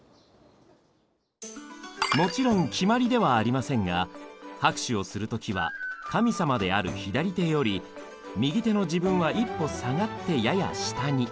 もちろん決まりではありませんが拍手をする時は神様である左手より右手の自分は一歩下がってやや下に。